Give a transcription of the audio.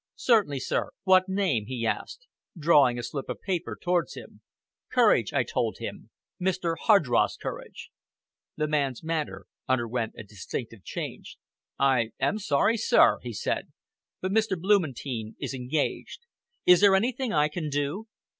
"Certainly, sir, what name?" he asked; drawing a slip of paper towards him. "Courage " I told him, "Mr. Hardross Courage!" The man's manner underwent a distinct change. "I am sorry, sir," he said, "but Mr. Blumentein is engaged. Is there anything I can do?"